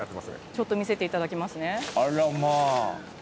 ちょっと見せていただきますあら、まあ。